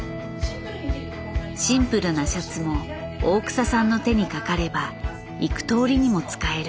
シンプルなシャツも大草さんの手にかかれば幾とおりにも使える。